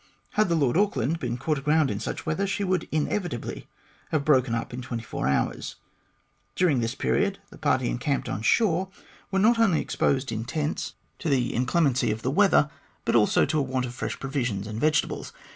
Had the Lord Auckland been caught aground in such weather, she would inevitably have broken up in twenty four hours. During this period, the party encamped on shore were not only exposed in tents to THE VINDICATION OF COLONEL BARNEY 07 the inclemency of the weather, but also to a want of fresh provisions and vegetables.